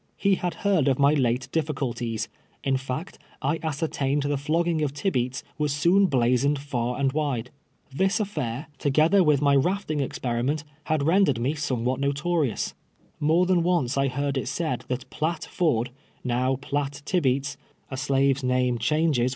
He had heard of my late difhculties — in fact, I ascertained the flogging of Tibeats was soon blazoned far and wide. This ati'air, together with my rafting experiment, had PETER EXrorXDS TILE SCKIPTUKE. 127 rcnJcrctl me somcvdiat notorious. More than once I heard it said that Piatt Ford, now Piatt Tibeats — a slave's name changes v.'